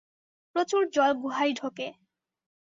প্রচুর জল গুহায় ঢোকে।